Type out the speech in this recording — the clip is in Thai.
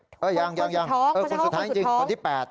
คนท้องคนที่๘